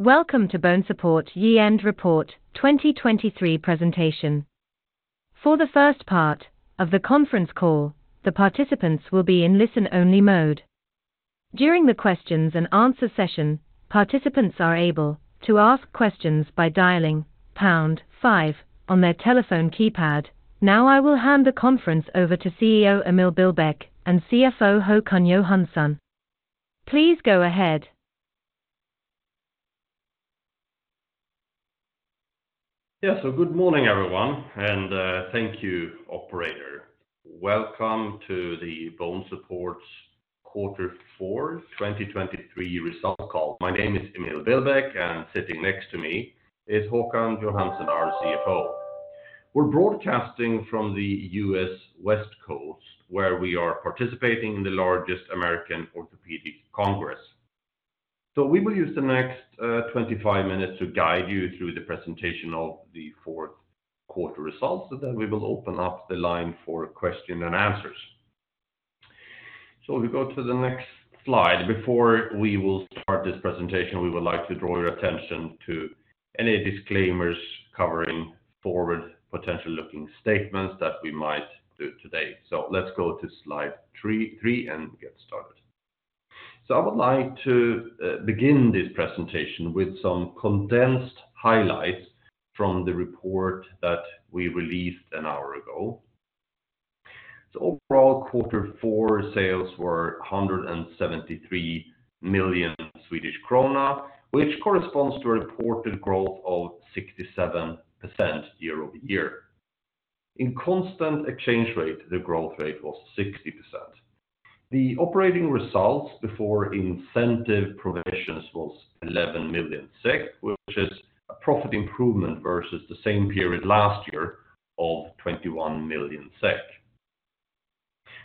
Welcome to BONESUPPORT Year-End Report 2023 presentation. For the first part of the conference call, the participants will be in listen-only mode. During the questions and answer session, participants are able to ask questions by dialing pound five on their telephone keypad. Now, I will hand the conference over to CEO Emil Billbäck and CFO Håkan Johansson. Please go ahead. Yeah. So good morning, everyone, and, thank you, operator. Welcome to the BONESUPPORT Quarter Four, 2023 Results Call. My name is Emil Billbäck, and sitting next to me is Håkan Johansson, our CFO. We're broadcasting from the U.S. West Coast, where we are participating in the largest American Orthopedic Congress. So we will use the next 25 minutes to guide you through the presentation of the fourth quarter results. So then we will open up the line for questions and answers. So we go to the next slide. Before we will start this presentation, we would like to draw your attention to any disclaimers covering forward-looking statements that we might do today. So let's go to slide three, and get started. So I would like to begin this presentation with some condensed highlights from the report that we released an hour ago. So overall, quarter four sales were 173 million Swedish krona, which corresponds to a reported growth of 67% year-over-year. In constant exchange rate, the growth rate was 60%. The operating results before incentive provisions was 11 million SEK, which is a profit improvement versus the same period last year of 21 million SEK.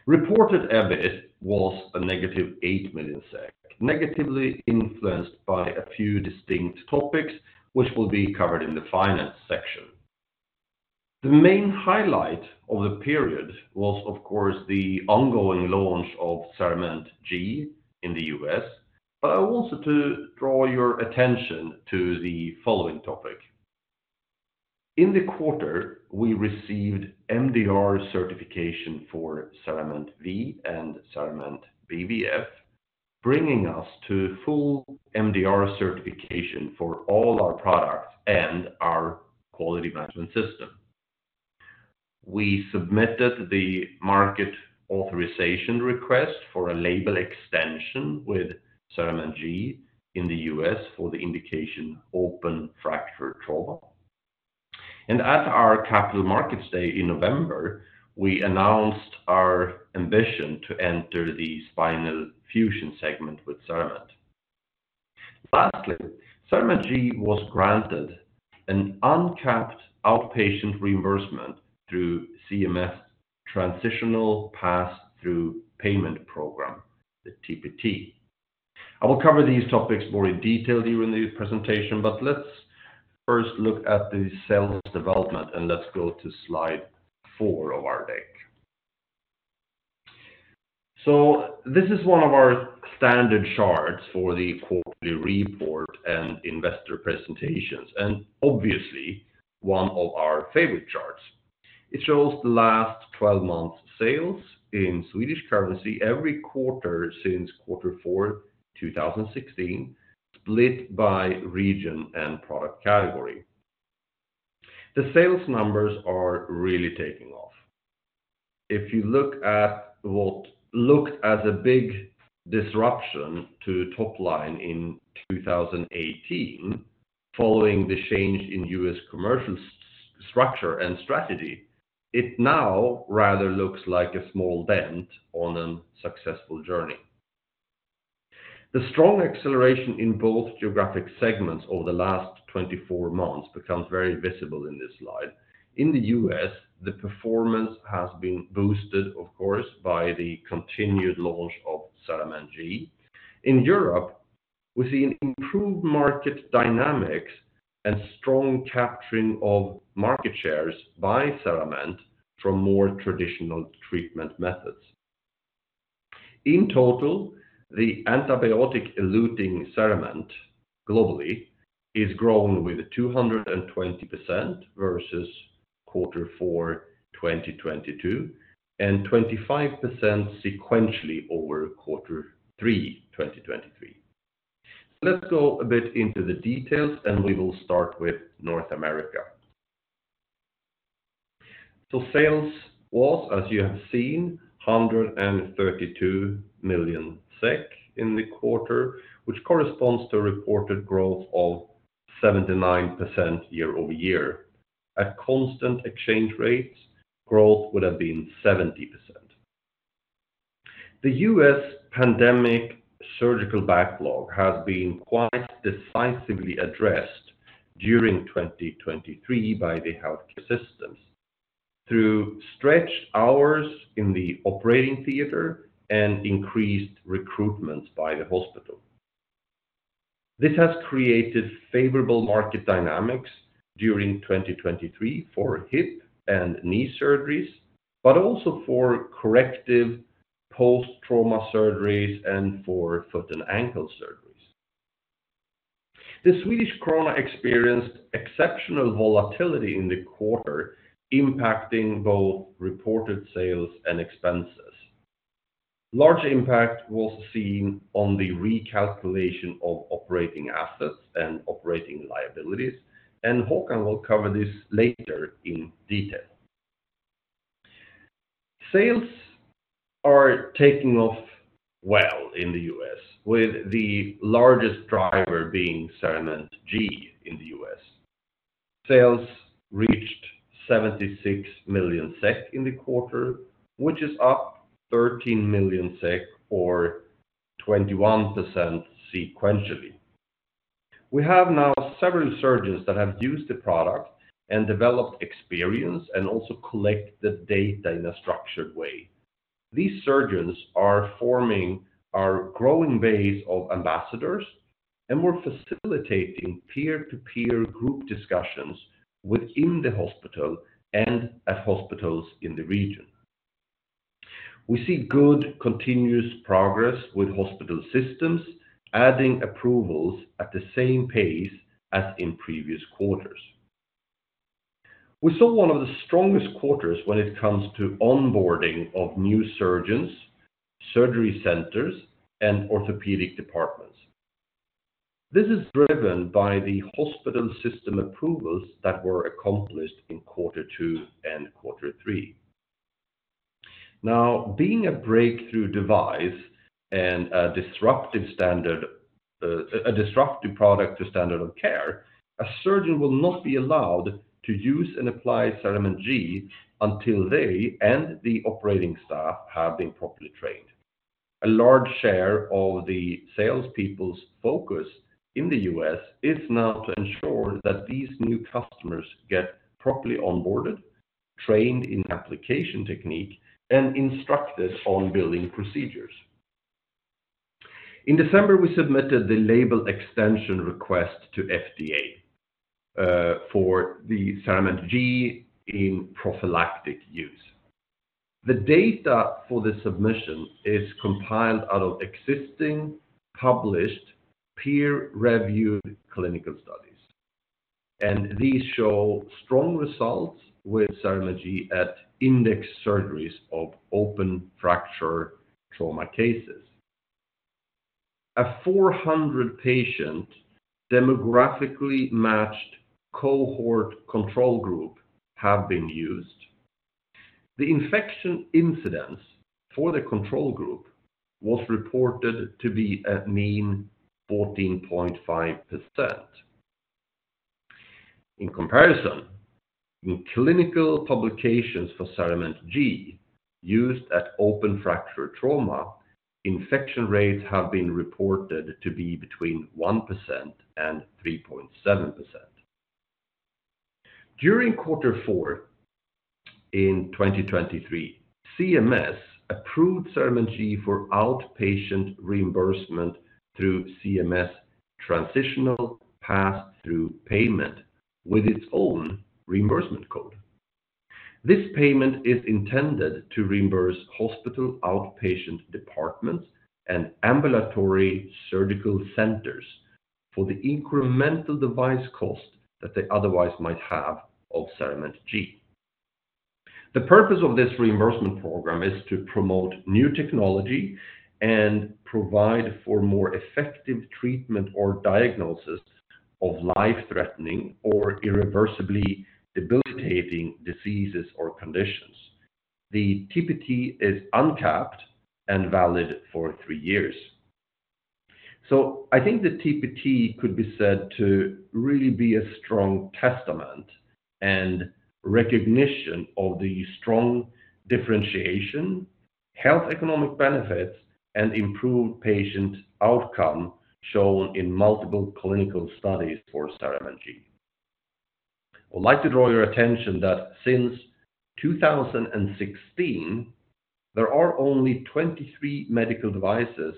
Reported EBIT was -8 million SEK, negatively influenced by a few distinct topics, which will be covered in the finance section. The main highlight of the period was, of course, the ongoing launch of CERAMENT G in the U.S., but I wanted to draw your attention to the following topic. In the quarter, we received MDR certification for CERAMENT V and CERAMENT BVF, bringing us to full MDR certification for all our products and our quality management system. We submitted the market authorization request for a label extension with CERAMENT G in the U.S. for the indication open fracture trauma. At our Capital Markets Day in November, we announced our ambition to enter the spinal fusion segment with CERAMENT. Lastly, CERAMENT G was granted an uncapped outpatient reimbursement through CMS Transitional Pass-Through Payment program, the TPT. I will cover these topics more in detail during the presentation, but let's first look at the sales development, and let's go to slide four of our deck. This is one of our standard charts for the quarterly report and investor presentations, and obviously, one of our favorite charts. It shows the last 12 months sales in Swedish currency every quarter since quarter four, 2016, split by region and product category. The sales numbers are really taking off. If you look at what looked as a big disruption to top line in 2018, following the change in U.S. commercial structure and strategy, it now rather looks like a small dent on a successful journey. The strong acceleration in both geographic segments over the last 24 months becomes very visible in this slide. In the U.S., the performance has been boosted, of course, by the continued launch of CERAMENT G. In Europe, we see an improved market dynamics and strong capturing of market shares by CERAMENT from more traditional treatment methods. In total, the antibiotic eluting CERAMENT globally is grown with 220% versus quarter four, 2022, and 25% sequentially over quarter three, 2023. Let's go a bit into the details, and we will start with North America. So sales was, as you have seen, 132 million SEK in the quarter, which corresponds to a reported growth of 79% year-over-year. At constant exchange rates, growth would have been 70%. The U.S. pandemic surgical backlog has been quite decisively addressed during 2023 by the healthcare systems through stretched hours in the operating theater and increased recruitment by the hospital. This has created favorable market dynamics during 2023 for hip and knee surgeries, but also for corrective post-trauma surgeries and for foot and ankle surgeries. The Swedish krona experienced exceptional volatility in the quarter, impacting both reported sales and expenses. Large impact was seen on the recalculation of operating assets and operating liabilities, and Håkan will cover this later in detail. Sales are taking off well in the U.S., with the largest driver being CERAMENT G in the U.S. Sales reached 76 million SEK in the quarter, which is up 13 million SEK, or 21% sequentially. We have now several surgeons that have used the product and developed experience, and also collect the data in a structured way. These surgeons are forming our growing base of ambassadors, and we're facilitating peer-to-peer group discussions within the hospital and at hospitals in the region. We see good continuous progress with hospital systems, adding approvals at the same pace as in previous quarters. We saw one of the strongest quarters when it comes to onboarding of new surgeons, surgery centers, and orthopedic departments. This is driven by the hospital system approvals that were accomplished in quarter two and quarter three. Now, being a breakthrough device and a disruptive standard, a disruptive product to standard of care, a surgeon will not be allowed to use and apply CERAMENT G until they and the operating staff have been properly trained. A large share of the sales people's focus in the U.S. is now to ensure that these new customers get properly onboarded, trained in application technique, and instructed on billing procedures. In December, we submitted the label extension request to FDA, for the CERAMENT G in prophylactic use. The data for the submission is compiled out of existing, published, peer-reviewed clinical studies, and these show strong results with CERAMENT G at index surgeries of open fracture trauma cases. A 400-patient, demographically matched cohort control group have been used. The infection incidence for the control group was reported to be a mean 14.5%. In comparison, in clinical publications for CERAMENT G, used at open fracture trauma, infection rates have been reported to be between 1% and 3.7%. During quarter four in 2023, CMS approved CERAMENT G for outpatient reimbursement through CMS Transitional Pass-Through Payment, with its own reimbursement code. This payment is intended to reimburse hospital outpatient departments and ambulatory surgical centers for the incremental device cost that they otherwise might have of CERAMENT G. The purpose of this reimbursement program is to promote new technology and provide for more effective treatment or diagnosis of life-threatening or irreversibly debilitating diseases or conditions. The TPT is uncapped and valid for three years. So I think the TPT could be said to really be a strong testament and recognition of the strong differentiation, health economic benefits, and improved patient outcome shown in multiple clinical studies for CERAMENT G. I'd like to draw your attention that since 2016, there are only 23 medical devices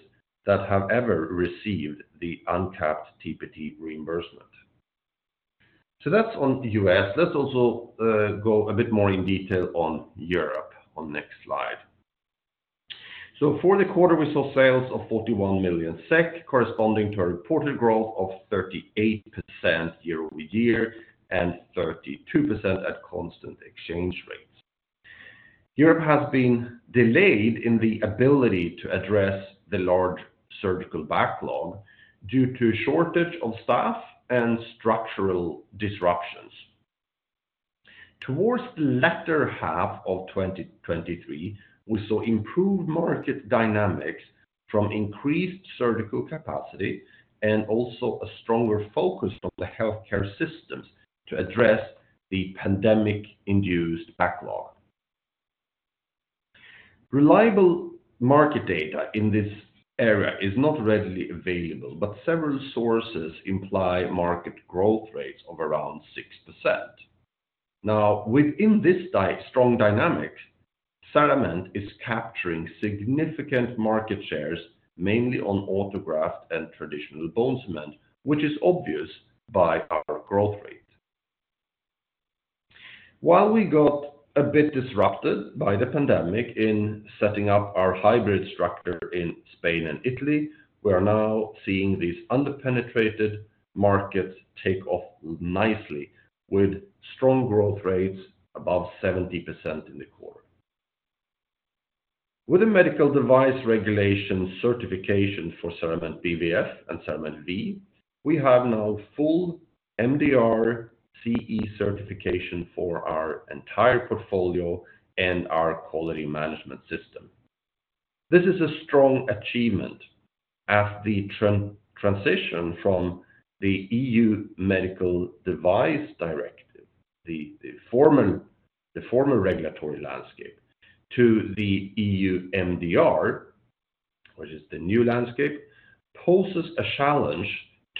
that have ever received the uncapped TPT reimbursement. So that's on the U.S. Let's also go a bit more in detail on Europe on next slide. So for the quarter, we saw sales of 41 million SEK, corresponding to a reported growth of 38% year-over-year and 32% at constant exchange rates. Europe has been delayed in the ability to address the large surgical backlog due to shortage of staff and structural disruptions. Towards the latter half of 2023, we saw improved market dynamics from increased surgical capacity and also a stronger focus on the healthcare systems to address the pandemic-induced backlog. Reliable market data in this area is not readily available, but several sources imply market growth rates of around 6%. Now, within this strong dynamic, CERAMENT is capturing significant market shares, mainly on autograft and traditional bone cement, which is obvious by our growth rate. While we got a bit disrupted by the pandemic in setting up our hybrid structure in Spain and Italy, we are now seeing these under-penetrated markets take off nicely, with strong growth rates above 70% in the quarter. With a Medical Device Regulation certification for CERAMENT BVF and CERAMENT V, we have now full MDR CE certification for our entire portfolio and our quality management system. This is a strong achievement as the transition from the EU Medical Device Directive, the former regulatory landscape, to the EU MDR, which is the new landscape, poses a challenge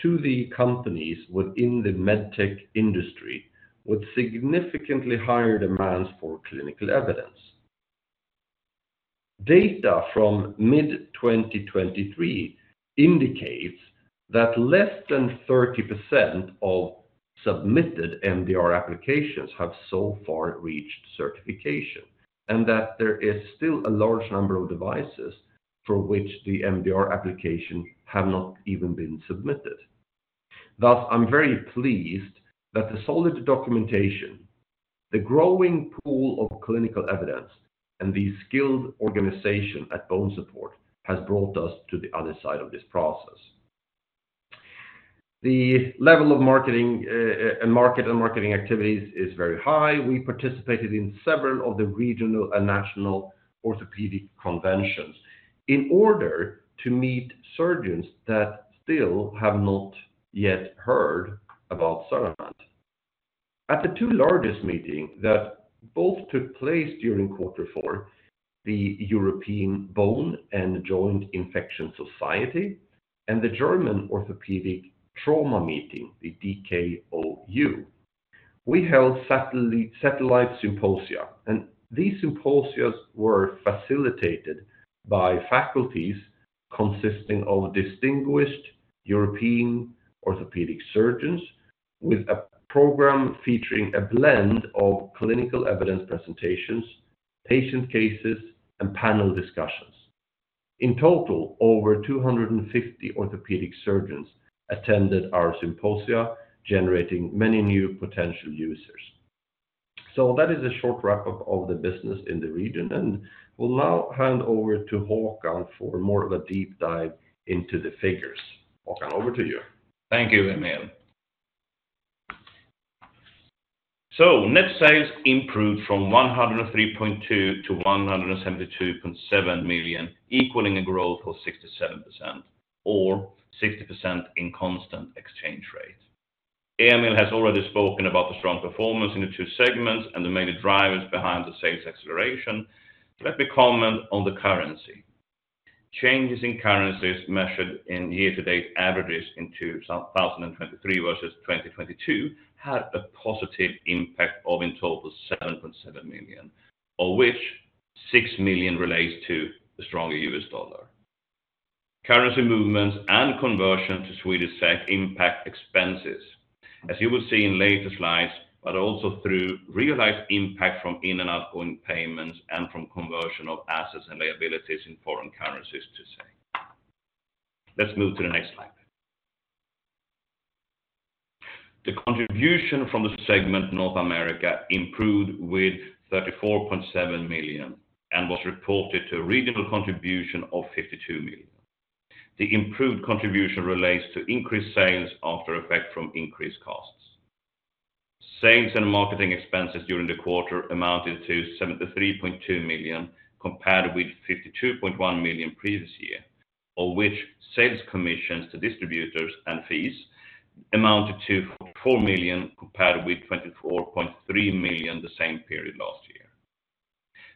to the companies within the medtech industry, with significantly higher demands for clinical evidence. Data from mid-2023 indicates that less than 30% of submitted MDR applications have so far reached certification, and that there is still a large number of devices for which the MDR application have not even been submitted. Thus, I'm very pleased that the solid documentation, the growing pool of clinical evidence, and the skilled organization at BONESUPPORT has brought us to the other side of this process. The level of marketing, and market and marketing activities is very high. We participated in several of the regional and national orthopedic conventions in order to meet surgeons that still have not yet heard about CERAMENT. At the two largest meetings that both took place during quarter four, the European Bone and Joint Infection Society and the German Orthopedic Trauma Meeting, the DKOU, we held satellite symposia, and these symposia were facilitated by faculties consisting of distinguished European orthopedic surgeons, with a program featuring a blend of clinical evidence presentations, patient cases, and panel discussions. In total, over 250 orthopedic surgeons attended our symposia, generating many new potential users. So that is a short wrap-up of the business in the region, and we'll now hand over to Håkan for more of a deep dive into the figures. Håkan, over to you. Thank you, Emil. So net sales improved from 103.2 million to 172.7 million, equaling a growth of 67% or 60% in constant exchange rate. Emil has already spoken about the strong performance in the two segments and the major drivers behind the sales acceleration. Let me comment on the currency. Changes in currencies measured in year-to-date averages into 2023 versus 2022, had a positive impact of, in total, 7.7 million, of which 6 million relates to the stronger U.S. dollar. Currency movements and conversion to Swedish SEK impact expenses, as you will see in later slides, but also through realized impact from in- and outgoing payments and from conversion of assets and liabilities in foreign currencies, to say. Let's move to the next slide. The contribution from the segment North America improved with 34.7 million and was reported to a regional contribution of 52 million. The improved contribution relates to increased sales after effect from increased costs. Sales and marketing expenses during the quarter amounted to 73.2 million, compared with 52.1 million previous year, of which sales commissions to distributors and fees amounted to 4 million, compared with 24.3 million the same period last year.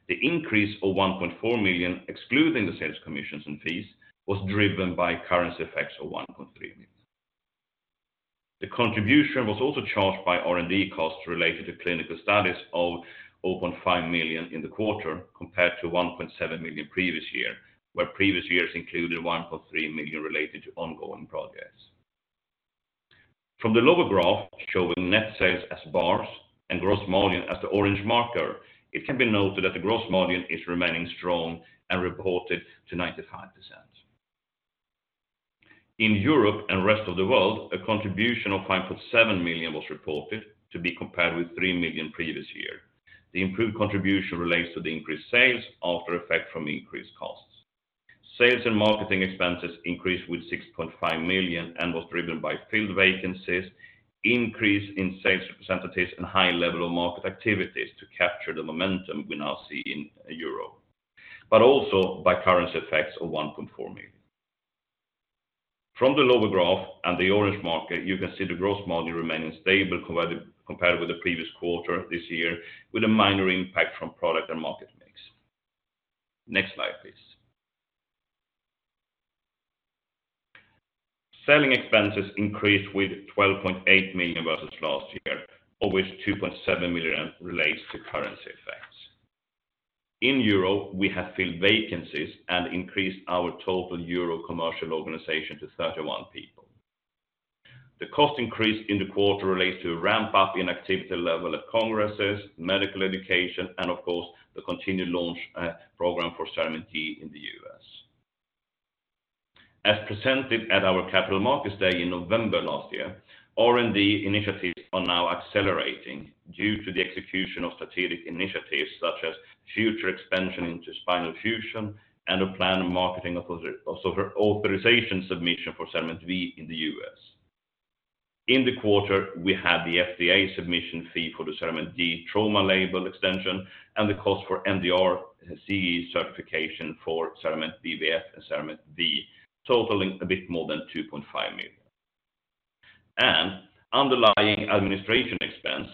The increase of 1.4 million, excluding the sales commissions and fees, was driven by currency effects of 1.3 million. The contribution was also charged by R&D costs related to clinical studies of 0.5 million in the quarter, compared to 1.7 million previous year, where previous years included 1.3 million related to ongoing projects. From the lower graph, showing net sales as bars and gross margin as the orange marker, it can be noted that the gross margin is remaining strong and reported to 95%. In Europe and rest of the world, a contribution of 5.7 million was reported, to be compared with 3 million previous year. The improved contribution relates to the increased sales after effect from increased costs. Sales and marketing expenses increased with 6.5 million and was driven by field vacancies, increase in sales representatives, and high level of market activities to capture the momentum we now see in Europe, but also by currency effects of 1.4 million. From the lower graph and the orange marker, you can see the gross margin remaining stable compared with the previous quarter this year, with a minor impact from product and market mix. Next slide, please. Selling expenses increased with 12.8 million versus last year, of which 2.7 million relates to currency effects. In Europe, we have filled vacancies and increased our total European commercial organization to 31 people. The cost increase in the quarter relates to a ramp up in activity level at congresses, medical education, and of course, the continued launch program for CERAMENT G in the US. As presented at our Capital Markets Day in November last year, R&D initiatives are now accelerating due to the execution of strategic initiatives, such as future expansion into spinal fusion and a plan for marketing authorization submission for CERAMENT V in the US. In the quarter, we had the FDA submission fee for the CERAMENT G trauma label extension and the cost for MDR CE certification for CERAMENT BVF and CERAMENT V, totaling a bit more than 2.5 million. Underlying administration expense,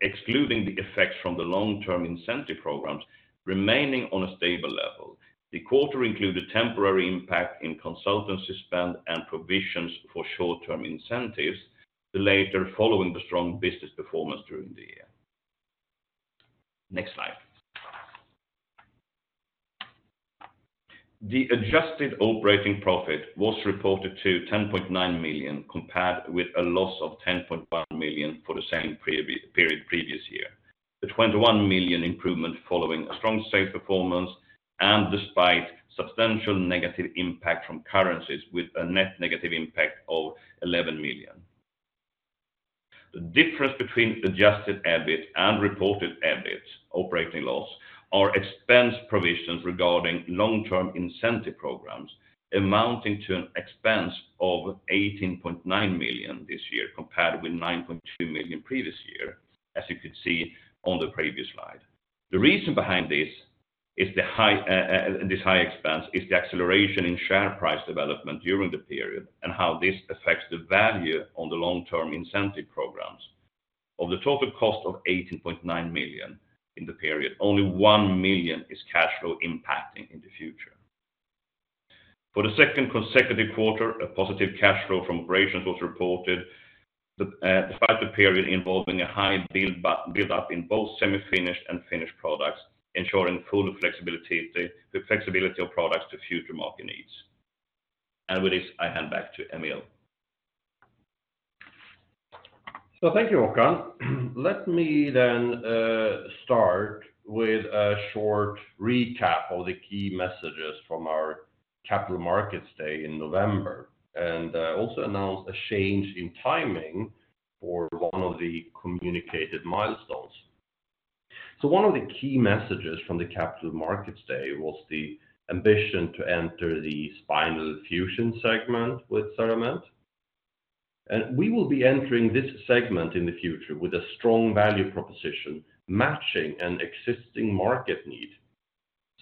excluding the effects from the long-term incentive programs, remaining on a stable level. The quarter included temporary impact in consultancy spend and provisions for short-term incentives, the latter following the strong business performance during the year. Next slide. The adjusted operating profit was reported to 10.9 million, compared with a loss of 10.1 million for the same period previous year. The 21 million improvement following a strong sales performance and despite substantial negative impact from currencies with a net negative impact of 11 million. The difference between adjusted EBIT and reported EBIT operating loss are expense provisions regarding long-term incentive programs, amounting to an expense of 18.9 million this year, compared with 9.2 million previous year, as you could see on the previous slide. The reason behind this is the high this high expense is the acceleration in share price development during the period and how this affects the value on the long-term incentive programs. Of the total cost of 18.9 million in the period, only 1 million is cash flow impacting in the future. For the second consecutive quarter, a positive cash flow from operations was reported, despite the period involving a high build up in both semi-finished and finished products, ensuring full flexibility, the flexibility of products to future market needs. And with this, I hand back to Emil. Thank you, Håkan. Let me then start with a short recap of the key messages from our Capital Markets Day in November, and also announce a change in timing for one of the communicated milestones. One of the key messages from the Capital Markets Day was the ambition to enter the spinal fusion segment with CERAMENT. We will be entering this segment in the future with a strong value proposition, matching an existing market need.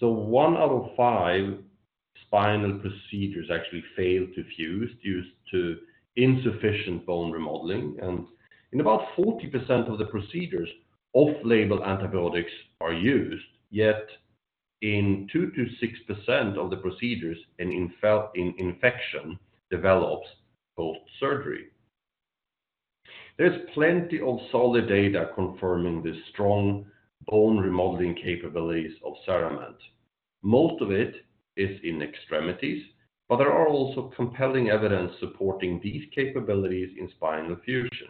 One out of five spinal procedures actually fail to fuse due to insufficient bone remodeling, and in about 40% of the procedures, off-label antibiotics are used, yet in 2%-6% of the procedures an infection develops post-surgery. There's plenty of solid data confirming the strong bone remodeling capabilities of CERAMENT. Most of it is in extremities, but there are also compelling evidence supporting these capabilities in spinal fusion.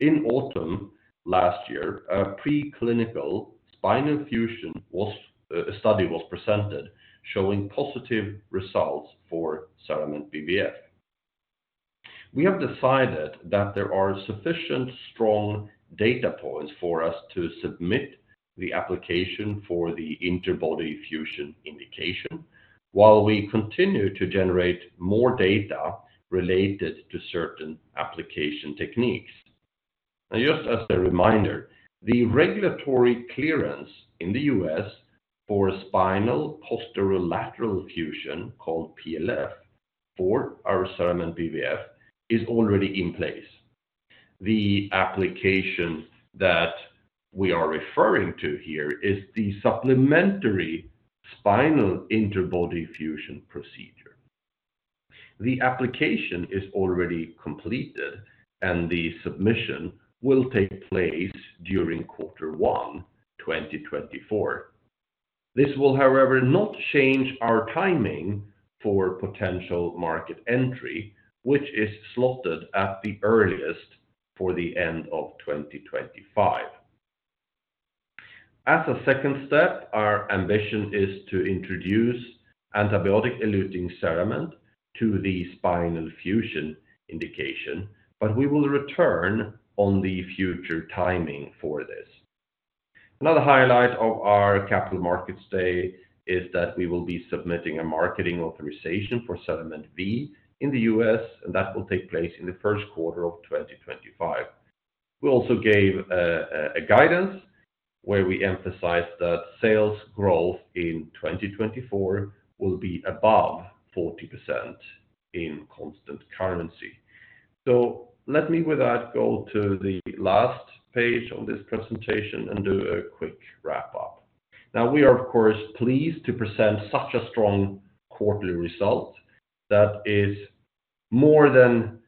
In autumn last year, a preclinical spinal fusion study was presented showing positive results for CERAMENT BVF. We have decided that there are sufficient strong data points for us to submit the application for the interbody fusion indication, while we continue to generate more data related to certain application techniques. Now, just as a reminder, the regulatory clearance in the U.S. for spinal posterior lateral fusion, called PLF, for our CERAMENT BVF, is already in place. The application that we are referring to here is the supplementary spinal interbody fusion procedure. The application is already completed, and the submission will take place during Q1 2024. This will, however, not change our timing for potential market entry, which is slotted at the earliest for the end of 2025. As a second step, our ambition is to introduce antibiotic-eluting CERAMENT to the spinal fusion indication, but we will return on the future timing for this. Another highlight of our Capital Markets Day is that we will be submitting a marketing authorization for CERAMENT V in the U.S., and that will take place in the first quarter of 2025. We also gave a guidance where we emphasized that sales growth in 2024 will be above 40% in constant currency. So let me with that, go to the last page on this presentation and do a quick wrap up. Now, we are of course, pleased to present such a strong quarterly result that is more than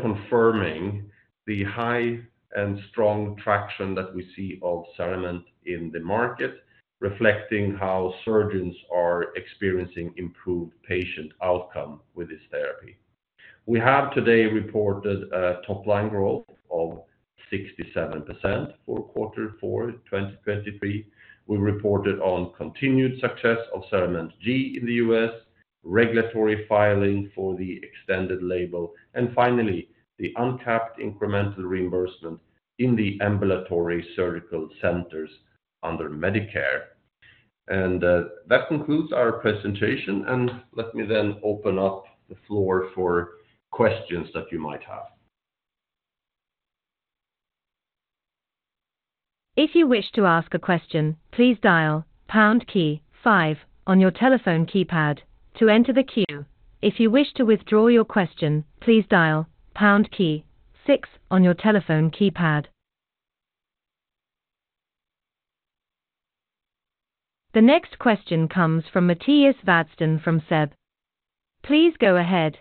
confirming the high and strong traction that we see of CERAMENT in the market, reflecting how surgeons are experiencing improved patient outcome with this therapy. We have today reported a top-line growth of 67% for quarter four, 2023. We reported on continued success of CERAMENT G in the U.S., regulatory filing for the extended label, and finally, the untapped incremental reimbursement in the ambulatory surgical centers under Medicare. That concludes our presentation, and let me then open up the floor for questions that you might have. If you wish to ask a question, please dial pound key five on your telephone keypad to enter the queue. If you wish to withdraw your question, please dial pound key six on your telephone keypad. The next question comes from Mattias Wadsten from SEB. Please go ahead.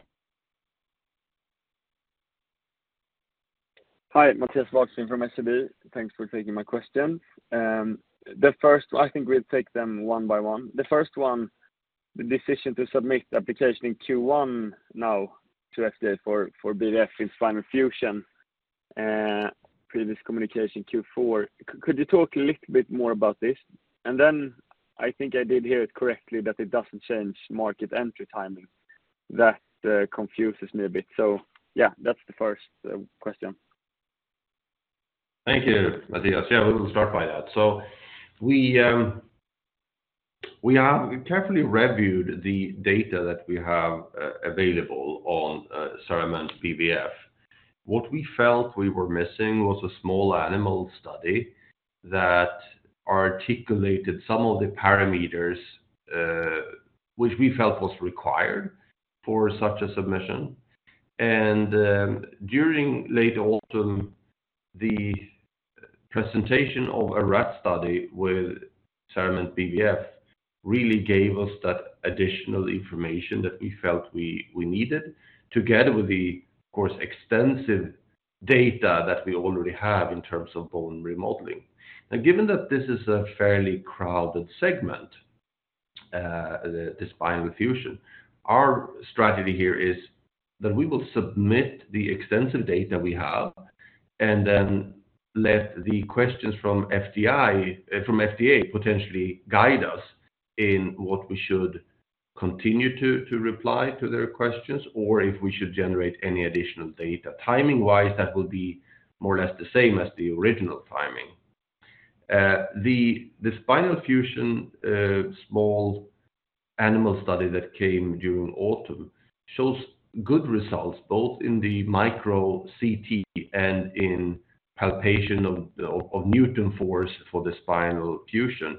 Hi, Mattias Wadsten from SEB. Thanks for taking my question. The first, I think we'll take them one by one. The first one, the decision to submit the application in Q1 now to FDA for BVF in spinal fusion, previous communication Q4. Could you talk a little bit more about this? And then I think I did hear it correctly, that it doesn't change market entry timing. That confuses me a bit. So yeah, that's the first question. Thank you, Mattias. Yeah, we will start by that. So we have carefully reviewed the data that we have available on CERAMENT BVF. What we felt we were missing was a small animal study that articulated some of the parameters which we felt was required for such a submission. And during late autumn, the presentation of a rat study with CERAMENT BVF really gave us that additional information that we felt we needed, together with the, of course, extensive data that we already have in terms of bone remodeling. Now, given that this is a fairly crowded segment, the spinal fusion, our strategy here is that we will submit the extensive data we have and then let the questions from FDA potentially guide us in what we should continue to reply to their questions or if we should generate any additional data. Timing-wise, that will be more or less the same as the original timing. The spinal fusion small animal study that came during autumn shows good results, both in the micro CT and in palpation of the Newton force for the spinal fusion.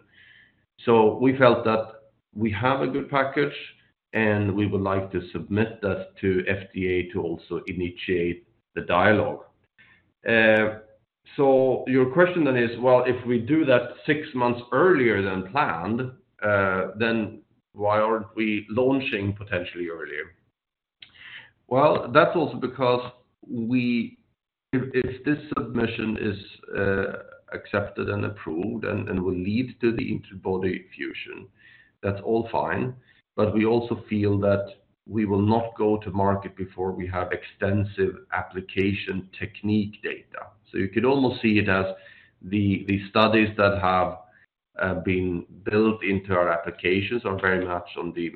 So we felt that we have a good package, and we would like to submit that to FDA to also initiate the dialogue. So your question then is, well, if we do that six months earlier than planned, then why aren't we launching potentially earlier? Well, that's also because if, if this submission is accepted and approved and will lead to the interbody fusion, that's all fine. But we also feel that we will not go to market before we have extensive application technique data. So you could almost see it as the studies that have been built into our applications are very much on the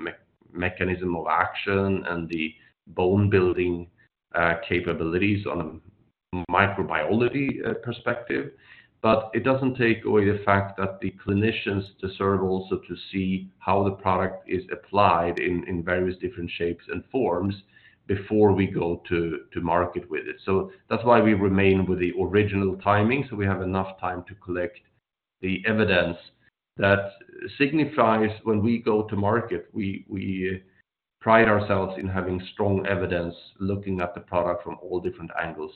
mechanism of action and the bone building capabilities on a microbiology perspective. But it doesn't take away the fact that the clinicians deserve also to see how the product is applied in various different shapes and forms before we go to market with it. So that's why we remain with the original timing, so we have enough time to collect the evidence that signifies when we go to market. We pride ourselves in having strong evidence, looking at the product from all different angles.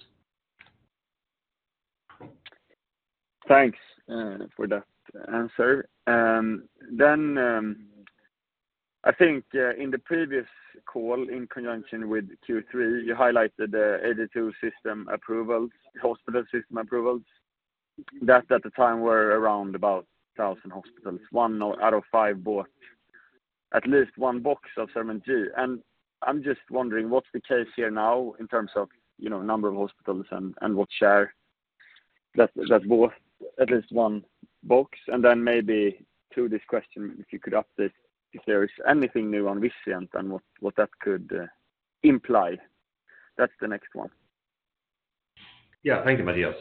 Thanks, for that answer. Then, I think, in the previous call, in conjunction with Q3, you highlighted the 82 system approvals, hospital system approvals, that at the time were around about 1,000 hospitals. One out of five bought at least one box of CERAMENT G. And I'm just wondering, what's the case here now in terms of, you know, number of hospitals and, and what share that, that bought at least one box? And then maybe to this question, if you could update, if there is anything new on Vizient and what, what that could, imply. That's the next one. Yeah. Thank you, Mattias.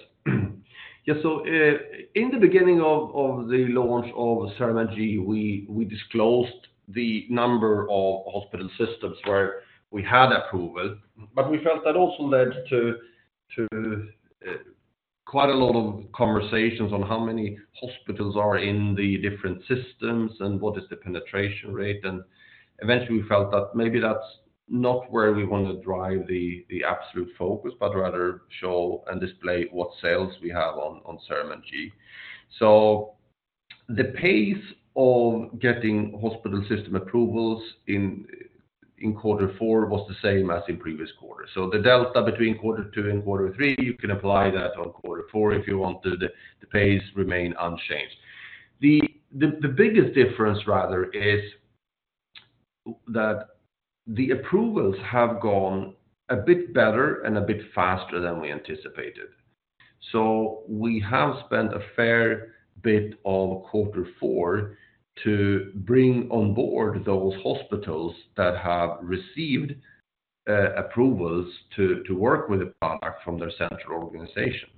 Yeah, so, in the beginning of the launch of CERAMENT G, we disclosed the number of hospital systems where we had approval, but we felt that also led to quite a lot of conversations on how many hospitals are in the different systems and what is the penetration rate. And eventually, we felt that maybe that's not where we want to drive the absolute focus, but rather show and display what sales we have on CERAMENT G. The pace of getting hospital system approvals in quarter four was the same as in previous quarters. So the delta between quarter two and quarter three, you can apply that on quarter four if you want to. The pace remain unchanged. The biggest difference rather is that the approvals have gone a bit better and a bit faster than we anticipated. So we have spent a fair bit of quarter four to bring on board those hospitals that have received approvals to work with the product from their central organization.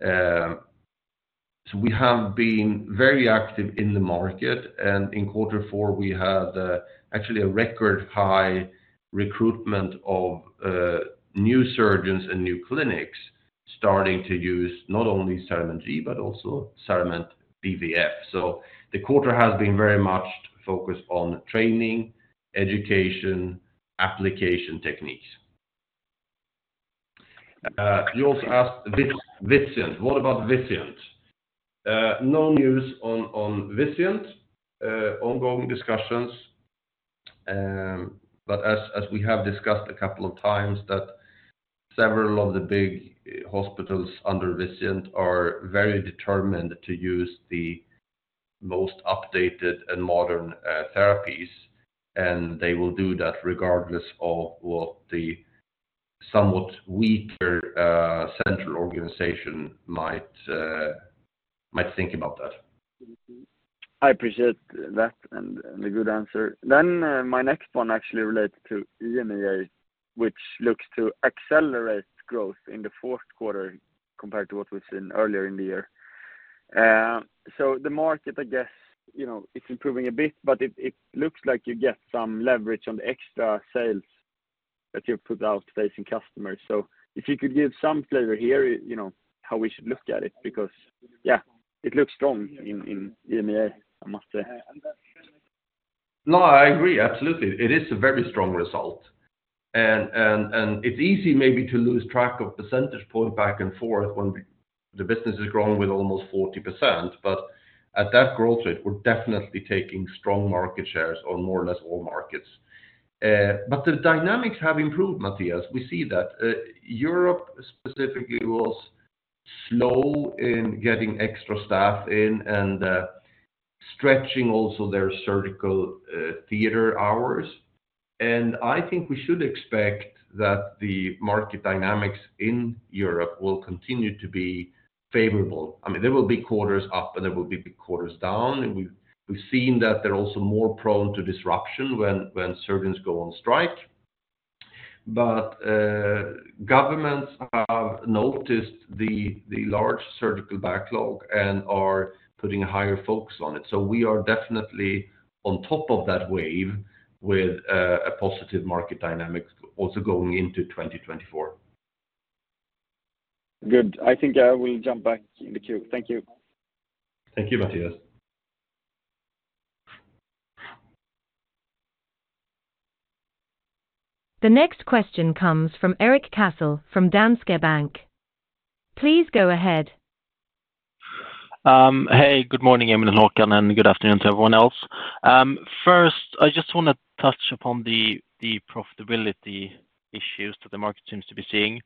So we have been very active in the market, and in quarter four, we had actually a record high recruitment of new surgeons and new clinics starting to use not only CERAMENT G, but also CERAMENT BVF. So the quarter has been very much focused on training, education, application techniques. You also asked Vizient, what about Vizient? No news on Vizient, ongoing discussions. But as we have discussed a couple of times, several of the big hospitals under Vizient are very determined to use the most updated and modern therapies, and they will do that regardless of what the somewhat weaker central organization might think about that. I appreciate that and the good answer. Then, my next one actually relates to EMEA, which looks to accelerate growth in the fourth quarter compared to what we've seen earlier in the year. So the market, I guess, you know, it's improving a bit, but it looks like you get some leverage on the extra sales that you've put out facing customers. So if you could give some flavor here, you know, how we should look at it, because, yeah, it looks strong in EMEA, I must say. No, I agree, absolutely. It is a very strong result, and it's easy maybe to lose track of percentage point back and forth when the business is growing with almost 40%, but at that growth rate, we're definitely taking strong market shares on more or less all markets. But the dynamics have improved, Mattias. We see that Europe specifically was slow in getting extra staff in and stretching also their surgical theater hours. And I think we should expect that the market dynamics in Europe will continue to be favorable. I mean, there will be quarters up, and there will be quarters down, and we've seen that they're also more prone to disruption when surgeons go on strike. But governments have noticed the large surgical backlog and are putting a higher focus on it. We are definitely on top of that wave with a positive market dynamic also going into 2024. Good. I think I will jump back in the queue. Thank you. Thank you, Mattias. The next question comes from Erik Cassel, from Danske Bank. Please go ahead. Hey, good morning, Emil and Håkan, and good afternoon to everyone else. First, I just want to touch upon the profitability issues that the market seems to be seeing.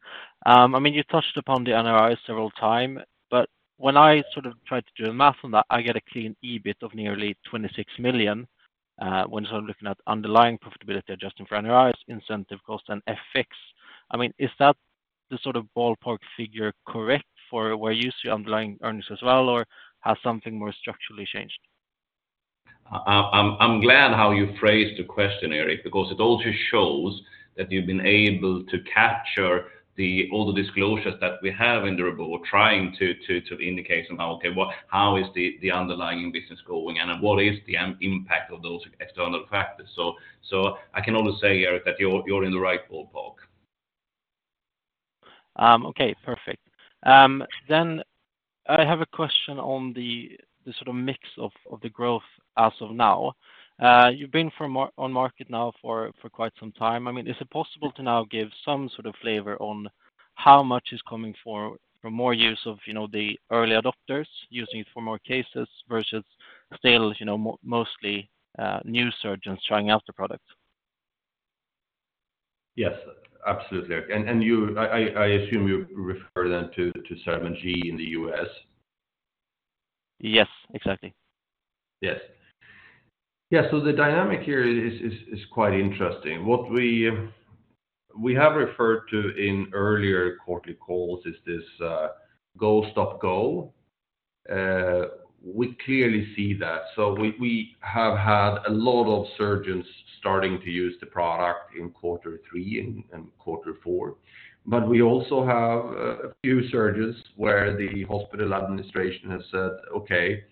I mean, you touched upon the NRIs several times, but when I sort of try to do the math on that, I get a clean EBIT of nearly 26 million when sort of looking at underlying profitability, adjusting for NRIs, incentive costs, and FX. I mean, is that the sort of ballpark figure correct for where you see underlying earnings as well, or has something more structurally changed? I'm glad how you phrased the question, Erik, because it also shows that you've been able to capture the... all the disclosures that we have in the report. We're trying to indicate on how, okay, how is the underlying business going, and what is the end impact of those external factors? So I can only say, Erik, that you're in the right ballpark. Okay, perfect. Then I have a question on the sort of mix of the growth as of now. You've been on market now for quite some time. I mean, is it possible to now give some sort of flavor on how much is coming from more use of, you know, the early adopters using it for more cases versus still, you know, mostly new surgeons trying out the product? Yes, absolutely. And you, I assume you refer them to CERAMENT G in the U.S. Yes, exactly. Yes. Yeah, so the dynamic here is quite interesting. What we have referred to in earlier quarterly calls is this go, stop, go. We clearly see that. So we have had a lot of surgeons starting to use the product in quarter three and quarter four. But we also have a few surgeons where the hospital administration has said, "Okay,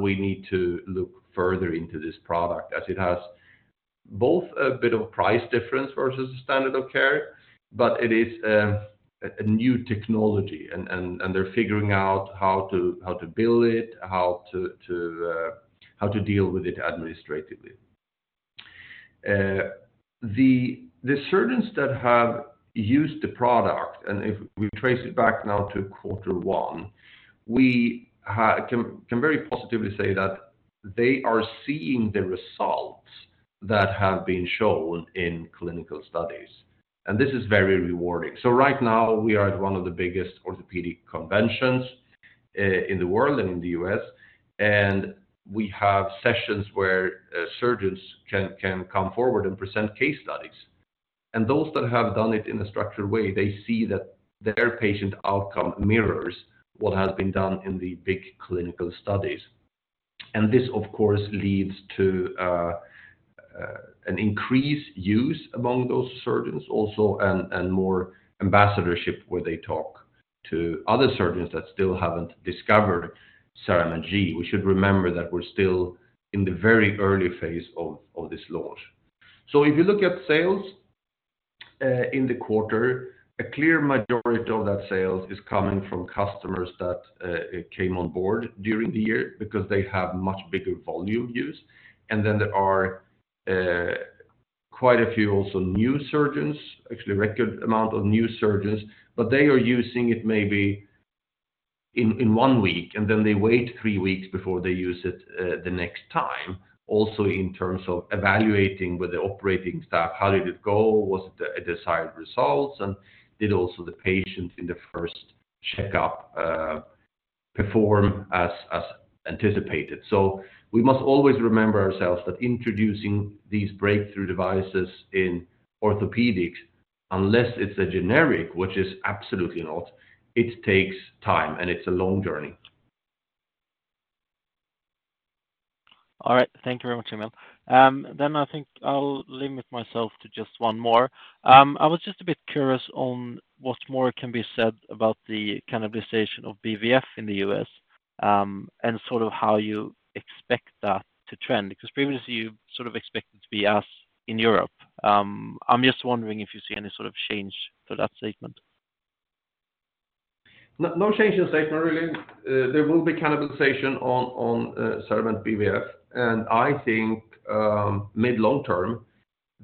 we need to look further into this product," as it has both a bit of a price difference versus the standard of care, but it is a new technology and they're figuring out how to build it, how to deal with it administratively.... The surgeons that have used the product, and if we trace it back now to quarter one, we can very positively say that they are seeing the results that have been shown in clinical studies, and this is very rewarding. Right now, we are at one of the biggest orthopedic conventions in the world and in the U.S., and we have sessions where surgeons can come forward and present case studies. Those that have done it in a structured way, they see that their patient outcome mirrors what has been done in the big clinical studies. This, of course, leads to an increased use among those surgeons also and more ambassadorship, where they talk to other surgeons that still haven't discovered CERAMENT G. We should remember that we're still in the very early phase of this launch. So if you look at sales in the quarter, a clear majority of that sales is coming from customers that came on board during the year because they have much bigger volume use. And then there are quite a few also new surgeons, actually a record amount of new surgeons, but they are using it maybe in one week, and then they wait three weeks before they use it the next time. Also, in terms of evaluating with the operating staff, how did it go? Was it a desired results? And did also the patient in the first checkup perform as anticipated. We must always remember ourselves that introducing these breakthrough devices in orthopedics, unless it's a generic, which is absolutely not, it takes time, and it's a long journey. All right. Thank you very much, Emil. I think I'll limit myself to just one more. I was just a bit curious on what more can be said about the cannibalization of BVF in the U.S., and sort of how you expect that to trend, because previously, you sort of expected to be as in Europe. I'm just wondering if you see any sort of change to that statement. No change in statement, really. There will be cannibalization on, on, CERAMENT BVF, and I think, mid, long term,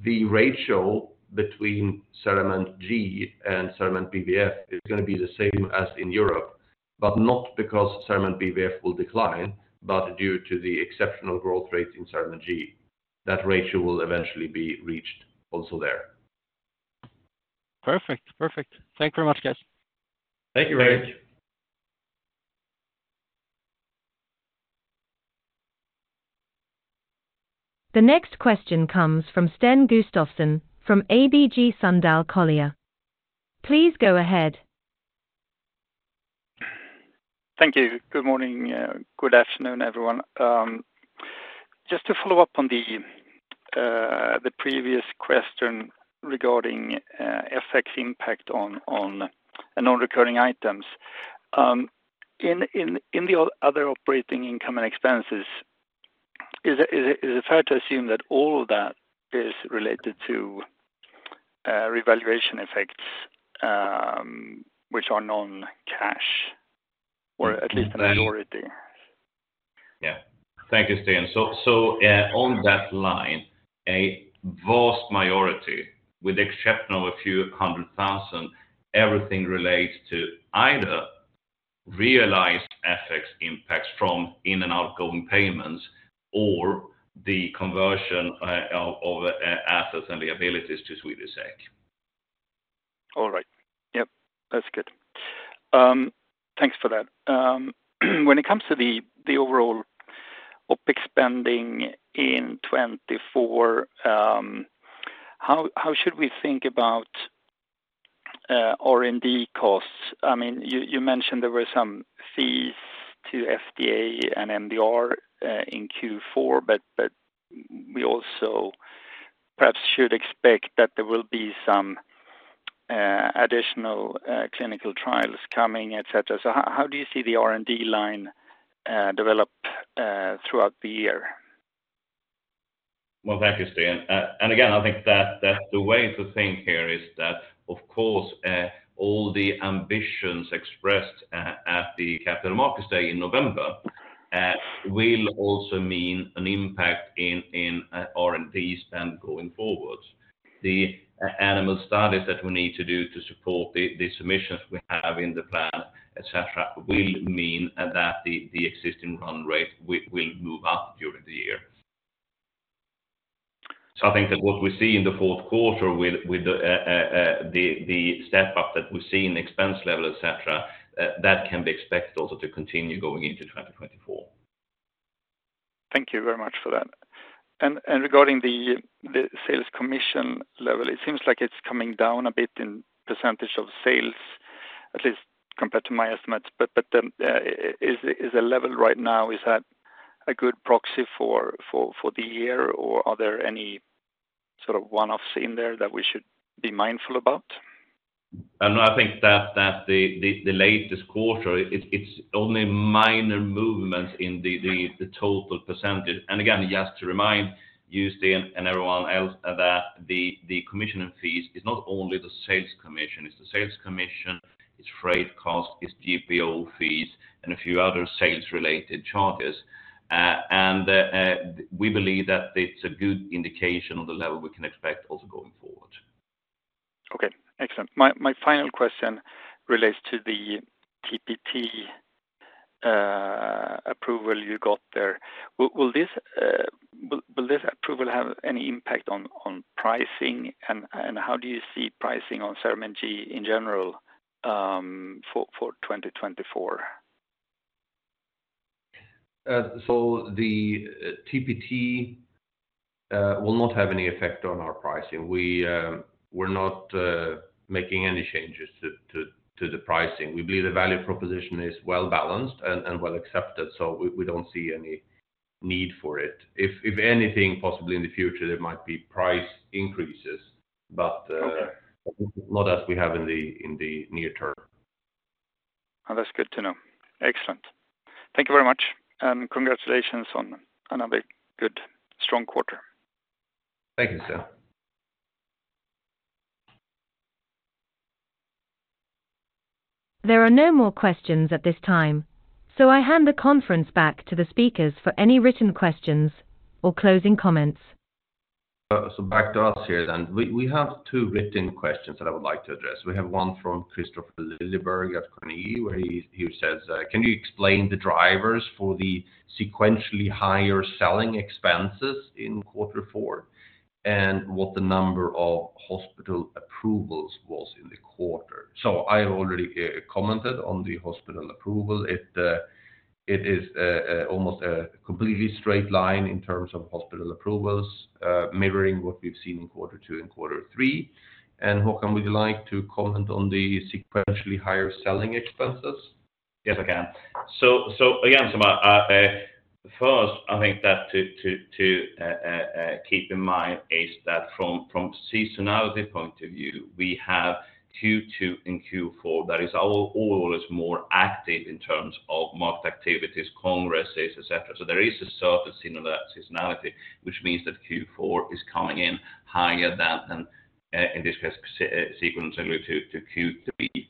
the ratio between CERAMENT G and CERAMENT BVF is gonna be the same as in Europe, but not because CERAMENT BVF will decline, but due to the exceptional growth rate in CERAMENT G. That ratio will eventually be reached also there. Perfect. Perfect. Thank you very much, guys. Thank you, Rick. The next question comes from Sten Gustafsson, from ABG Sundal Collier. Please go ahead. Thank you. Good morning, good afternoon, everyone. Just to follow up on the previous question regarding FX impact on non-recurring items. In the other operating income and expenses, is it fair to assume that all of that is related to revaluation effects, which are non-cash, or at least a minority? Yeah. Thank you, Sten. So, on that line, a vast majority, with the exception of a few hundred thousand, everything relates to either realized FX impacts from in and outgoing payments or the conversion of assets and liabilities to Swedish SEK. All right. Yep, that's good. Thanks for that. When it comes to the overall OpEx spending in 2024, how should we think about R&D costs? I mean, you mentioned there were some fees to FDA and MDR in Q4, but we also perhaps should expect that there will be some additional clinical trials coming, et cetera. So how do you see the R&D line develop throughout the year? Well, thank you, Sten. And again, I think that the way to think here is that, of course, all the ambitions expressed at the Capital Markets Day in November will also mean an impact in R&D spend going forward. The animal studies that we need to do to support the submissions we have in the plan, et cetera, will mean that the existing run rate will move up during the year. So I think that what we see in the fourth quarter with the step up that we see in the expense level, et cetera, that can be expected also to continue going into 2024. Thank you very much for that. And regarding the sales commission level, it seems like it's coming down a bit in percentage of sales, at least compared to my estimates, but is the level right now a good proxy for the year, or are there any sort of one-offs in there that we should be mindful about? I know, I think that the latest quarter, it's only minor movements in the total percentage. And again, just to remind you, Sten, and everyone else, that the commission and fees is not only the sales commission, it's the sales commission, freight cost, GPO fees and a few other sales-related charges. We believe that it's a good indication of the level we can expect also going forward. Okay, excellent. My final question relates to the TPT approval you got there. Will this approval have any impact on pricing? How do you see pricing on CERAMENT G in general for 2024? So the TPT will not have any effect on our pricing. We're not making any changes to the pricing. We believe the value proposition is well balanced and well accepted, so we don't see any need for it. If anything, possibly in the future, there might be price increases. But Okay... not as we have in the near term. Well, that's good to know. Excellent. Thank you very much, and congratulations on another good, strong quarter. Thank you, sir. There are no more questions at this time, so I hand the conference back to the speakers for any written questions or closing comments. So back to us here, then. We have two written questions that I would like to address. We have one from Kristofer Liljeberg at Carnegie, where he says, "Can you explain the drivers for the sequentially higher selling expenses in quarter four, and what the number of hospital approvals was in the quarter?" So I already commented on the hospital approval. It is almost a completely straight line in terms of hospital approvals, mirroring what we've seen in quarter two and quarter three. And Håkan, would you like to comment on the sequentially higher selling expenses? Yes, I can. So again, my first, I think that to keep in mind is that from seasonality point of view, we have Q2 and Q4. That is, all is more active in terms of market activities, congresses, et cetera. So there is a certain sense of that seasonality, which means that Q4 is coming in higher than, in this case, sequentially to Q3.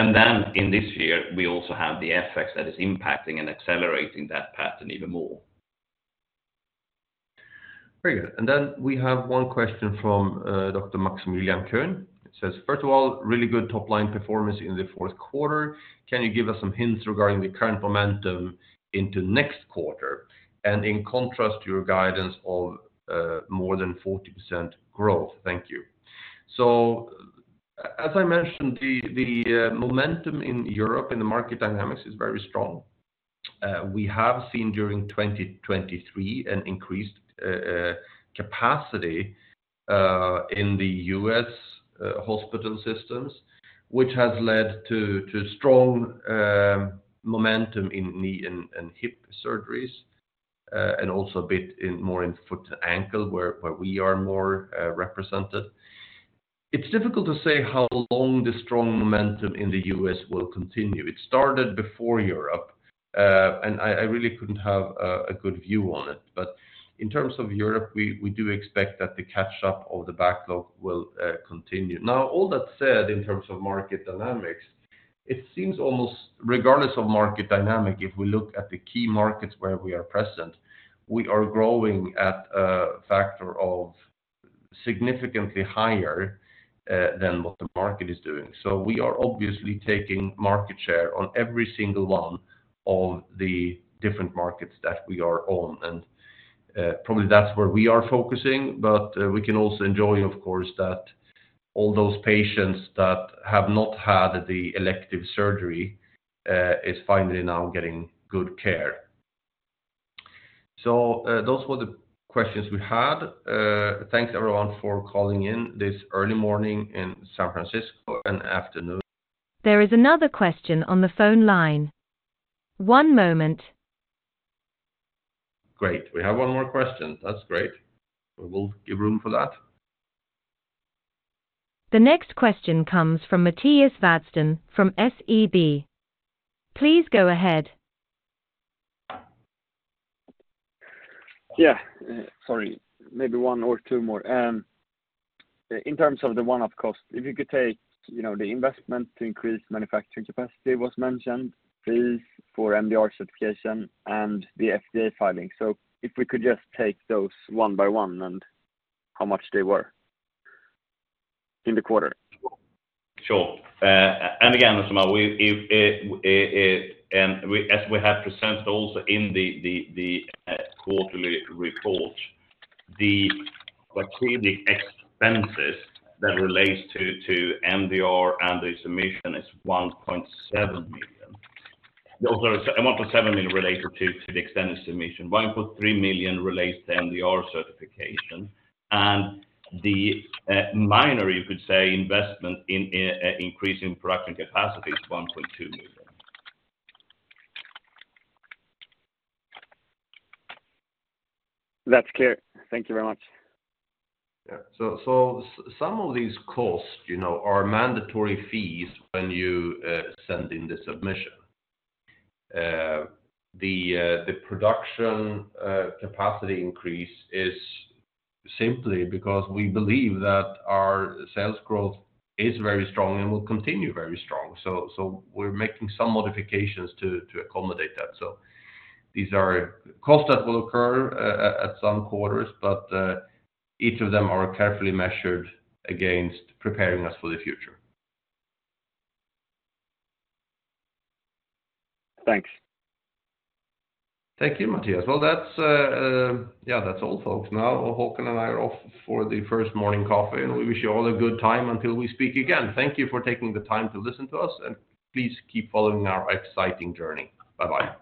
And then in this year, we also have the effects that is impacting and accelerating that pattern even more. Very good. Then we have one question from Dr. Maximilian Köhn. It says, "First of all, really good top-line performance in the fourth quarter. Can you give us some hints regarding the current momentum into next quarter, and in contrast, your guidance of more than 40% growth? Thank you." So as I mentioned, the momentum in Europe and the market dynamics is very strong. We have seen during 2023 an increased capacity in the U.S. hospital systems, which has led to strong momentum in knee and hip surgeries, and also a bit more in foot and ankle, where we are more represented. It's difficult to say how long the strong momentum in the U.S. will continue. It started before Europe, and I really couldn't have a good view on it. But in terms of Europe, we do expect that the catch-up of the backlog will continue. Now, all that said, in terms of market dynamics, it seems almost regardless of market dynamic, if we look at the key markets where we are present, we are growing at a factor of significantly higher than what the market is doing. So we are obviously taking market share on every single one of the different markets that we are on, and probably that's where we are focusing. But we can also enjoy, of course, that all those patients that have not had the elective surgery is finally now getting good care. So those were the questions we had. Thanks, everyone, for calling in this early morning in San Francisco and afternoon. There is another question on the phone line. One moment. Great, we have one more question. That's great. We will give room for that. The next question comes from Mattias Vadsten from SEB. Please go ahead. Yeah, sorry, maybe one or two more. In terms of the one-off cost, if you could take, you know, the investment to increase manufacturing capacity was mentioned, fees for MDR certification and the FDA filing. So if we could just take those one by one and how much they were in the quarter. Sure. And again, so, we, as we have presented also in the quarterly report, the actual expenses that relates to MDR and the submission is 1.7 million. Those are... 1.7 million related to the extended submission. 1.3 million relates to MDR certification, and the minor, you could say, investment in increasing production capacity is 1.2 million. That's clear. Thank you very much. Yeah. So some of these costs, you know, are mandatory fees when you send in the submission. The production capacity increase is simply because we believe that our sales growth is very strong and will continue very strong. So we're making some modifications to accommodate that. So these are costs that will occur at some quarters, but each of them are carefully measured against preparing us for the future. Thanks. Thank you, Mattias. Well, that's all, folks. Now, Håkan and I are off for the first morning coffee, and we wish you all a good time until we speak again. Thank you for taking the time to listen to us, and please keep following our exciting journey. Bye-bye.